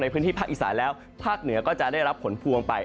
พื้นที่ภาคอีสานแล้วภาคเหนือก็จะได้รับผลพวงไป